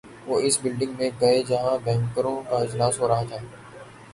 وہ اس بلڈنگ میں گئے جہاں بینکروں کا اجلاس ہو رہا تھا۔